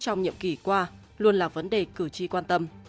trong nhiệm kỳ qua luôn là vấn đề cử tri quan tâm